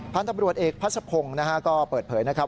พันธบริวดเอกพัชภงศ์นะครับก็เปิดเผยนะครับ